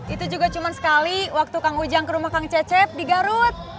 itu juga cuma sekali waktu kang ujang ke rumah kang cecep di garut